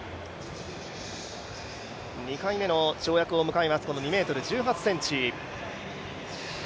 ２回目の跳躍を迎えます、この２ｍ１８ｃｍ。